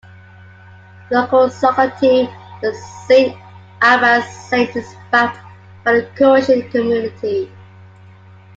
The local soccer team, the Saint Albans Saints is backed by the Croatian community.